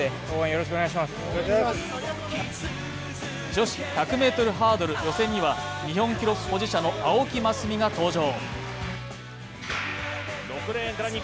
女子１００ｍハードル予選には日本記録保持者の青木益未が登場。